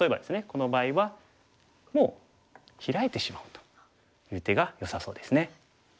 この場合はもうヒラいてしまうという手がよさそうですね。